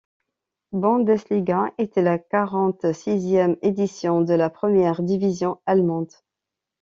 Bundesliga était la quarante-sixième édition de la première division allemande.